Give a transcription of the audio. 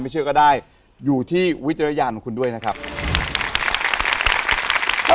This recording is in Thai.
ไม่เชื่อก็ได้อยู่ที่วิทยาลัยญาณของคุณด้วยนะครับครับ